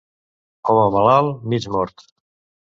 Home malalt, mig mort.